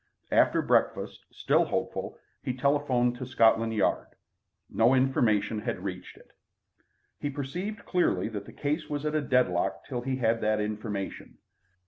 After breakfast, still hopeful, he telephoned to Scotland Yard. No information had reached it. He perceived clearly that the case was at a deadlock till he had that information.